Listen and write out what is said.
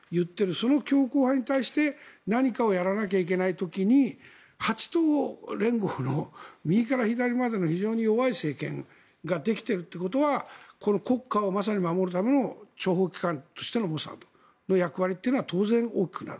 その強硬派に対して何かをやらなきゃいけない時に８党連合の右から左までの非常に弱い政権ができているということはこの国家をまさに守るための諜報機関としてのモサドその役割というのは当然大きくなる。